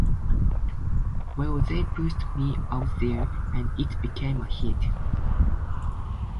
Well they pushed me out there - and it became a hit.